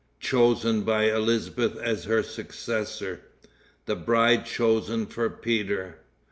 Chosen by Elizabeth as Her Successor. The Bride Chosen for Peter.